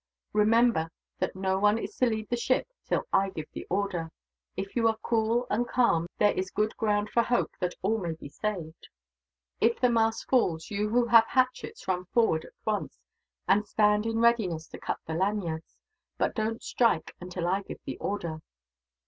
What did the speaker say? Remember that no one is to leave the ship, till I give the order. If you are cool and calm, there is good ground for hope that all may be saved. "If the mast falls, you who have hatchets run forward at once, and stand in readiness to cut the lanyards; but don't strike until I give the order."